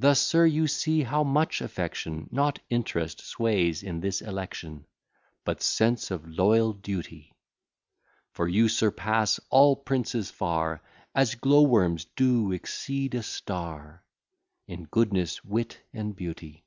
Thus, sir, you see how much affection, Not interest, sways in this election, But sense of loyal duty. For you surpass all princes far, As glow worms do exceed a star, In goodness, wit, and beauty.